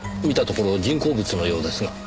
見たところ人工物のようですが。